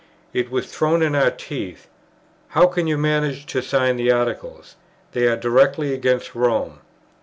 It was thrown in our teeth; "How can you manage to sign the Articles? they are directly against Rome."